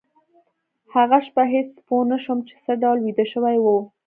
هغه شپه هېڅ پوه نشوم چې څه ډول ویده شوي وو